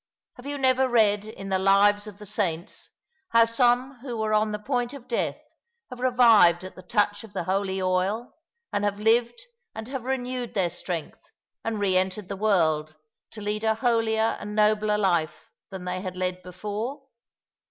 Have you never read in the ' Lives of the Saints ' how some who were on the point of death have revived at the touch of the holy oil, and have lived and have renewed their strength, and re entered the world to lead a holier and nobler life than they had led before?